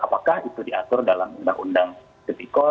apakah itu diatur dalam undang undang tipikor